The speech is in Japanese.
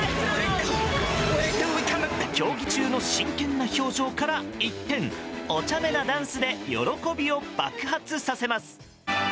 競技中の真剣な表情から一転おちゃめなダンスで喜びを爆発させます。